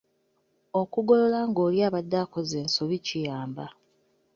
Okugolola ng’oli abadde akoze ensobi kiyamba.